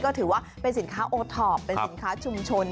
ก็ถือว่าเป็นสินค้าโอทอปเป็นสินค้าชุมชน